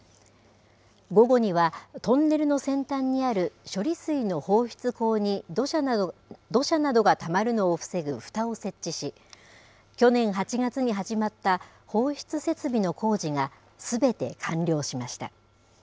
午後には、トンネルの先端にある処理水の放出口に土砂などがたまるのを防ぐふたを設置し、去年８月に始まった放出設備の工事がすべて完了しました。